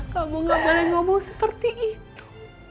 kamu gak boleh ngomong seperti itu